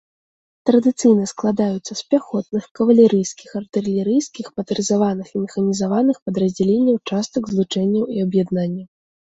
Традыцыйна складаюцца з пяхотных, кавалерыйскіх, артылерыйскіх, матарызаваных і механізаваных падраздзяленняў, частак, злучэнняў і аб'яднанняў.